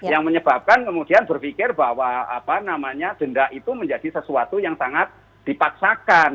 yang menyebabkan kemudian berpikir bahwa denda itu menjadi sesuatu yang sangat dipaksakan